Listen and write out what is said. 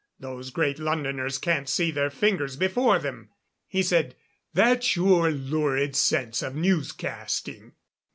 Those Great Londoners can't see their fingers before them. He said, 'That's your lurid sense of newscasting.'"